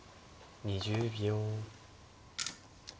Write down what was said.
２０秒。